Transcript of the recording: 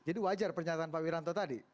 jadi wajar pernyataan pak wiranto tadi